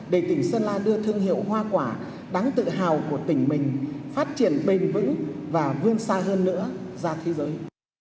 để tỉnh sơn la đưa thương hiệu hoa quả đáng tự hào của tỉnh mình phát triển bền vững và vươn xa hơn nữa ra thế giới